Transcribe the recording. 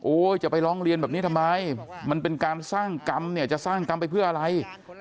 จะไปร้องเรียนแบบนี้ทำไมมันเป็นการสร้างกรรมเนี่ยจะสร้างกรรมไปเพื่ออะไร